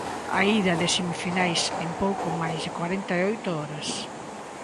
A ida de semifinais en pouco máis de corenta e oito horas.